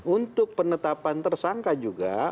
untuk penetapan tersangka juga